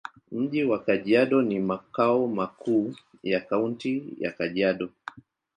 Mji wa Kajiado ni makao makuu ya Kaunti ya Kajiado.